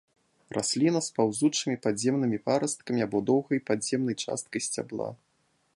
Расліна з паўзучымі падземнымі парасткамі або доўгай падземнай часткай сцябла.